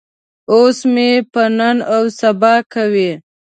اوس مې په نن او سبا کوي.